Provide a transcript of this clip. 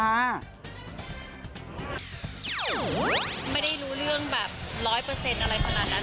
ไม่ได้รู้เรื่องแบบร้อยเปอร์เซ็นต์อะไรขนาดนั้น